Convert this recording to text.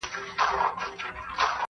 o ښوروا مي درکول، پاته نه سوه.